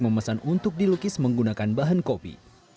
masa masa lukisan untuk dilukis menggunakan bahan kopi